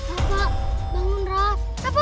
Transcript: rafa bangun rafa